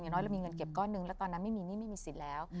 น้อยเรามีเงินเก็บก้อนนึงแล้วตอนนั้นไม่มีหนี้ไม่มีสิทธิ์แล้ว